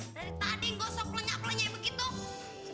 dari tadi gosok pelenyak pelenyai begitu